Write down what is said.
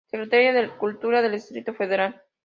Secretaría del Cultura del Distrito Federal.